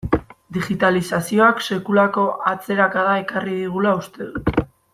Digitalizazioak sekulako atzerakada ekarri digula uste dut.